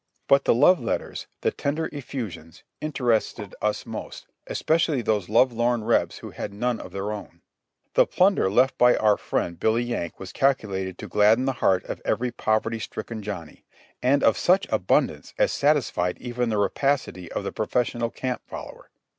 But the love letters, the tender effusions, interested us most, especially those love lorn Rebs who had none of their own. The plunder left by our friend Billy Yank was calculated to gladden the heart of every poverty stricken Johnny, and of such abundance as satisfied even the rapacity of the professional camp follower.